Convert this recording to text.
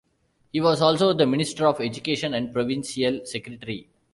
He was also the Minister of Education and Provincial Secretary.